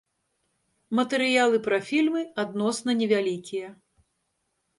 Матэрыялы пра фільмы адносна невялікія.